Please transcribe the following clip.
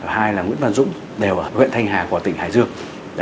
hai là nguyễn văn dũng đều ở huyện thanh hà của tỉnh hải dương